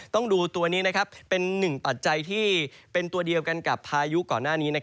ต้องดูตัวนี้เป็นหนึ่งปัจจัยที่เป็นตัวเดียวกันกับพายุก่อนหน้านี้